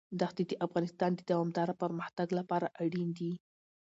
دښتې د افغانستان د دوامداره پرمختګ لپاره اړین دي.